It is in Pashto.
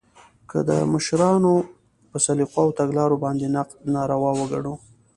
که د مشرانو په سلیقو او تګلارو باندې نقد ناروا وګڼو